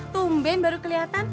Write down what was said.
tumben baru kelihatan